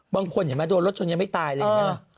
บางคนเห็นมั้ยโดรนรถจนยังไม่ตายเลย